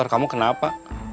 oh i kalau apa